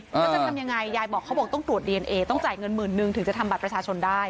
แล้วจะทำยังไงยายบอกเขาบอกต้องตรวจดีเอนเอต้องจ่ายเงินหมื่นนึงถึงจะทำบัตรประชาชนได้